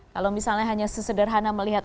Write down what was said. kalau misalnya hanya sesederhana melihat